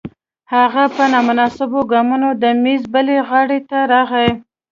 هغه په نامناسبو ګامونو د میز بلې غاړې ته راغی